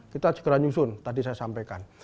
kita segera nyusun tadi saya sampaikan